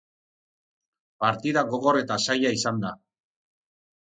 Partida gogor eta zaila izan da.